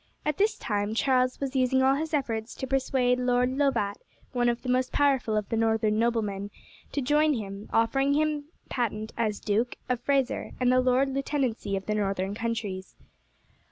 At this time Charles was using all his efforts to persuade Lord Lovat, one of the most powerful of the northern noblemen, to join him, offering him his patent as Duke of Fraser and the lord lieutenancy of the northern counties.